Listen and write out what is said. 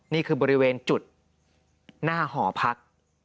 นี่คือบริเวณจุดหน้าหอพัก